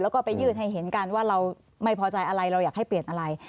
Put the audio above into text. แล้วก็ไปยืดให้เห็นกันว่าเราไม่พอใจอะไรเราอยากให้เปลี่ยนอะไร